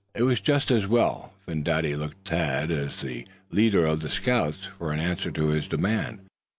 It was just as well. Phin Dady looked to Thad, as the leader of the scouts, for an answer to his demand.